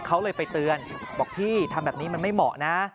เขาเลยไปเตือนบอกพี่ทำแบบนี้มันไม่เหมาะนะ